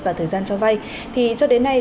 và thời gian cho vay thì cho đến nay